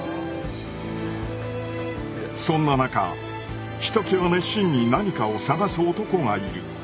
そんな中ひときわ熱心に何かを探す男がいる。